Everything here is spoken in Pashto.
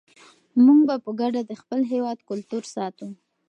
موږ به په ګډه د خپل هېواد کلتور ساتو.